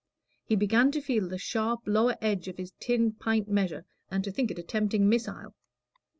He began to feel the sharp lower edge of his tin pint measure, and to think it a tempting missile.